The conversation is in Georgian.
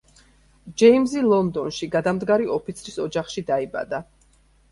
ჯეიმზი ლონდონში, გადამდგარი ოფიცრის ოჯახში დაიბადა.